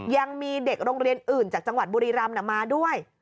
ยังมีเด็กโรงเรียนอื่นจากจังหวัดบุรีรำมาด้วย